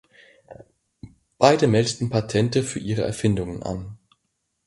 Beide meldeten Patente für ihre Erfindungen an.